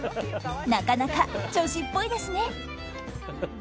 なかなか女子っぽいですね。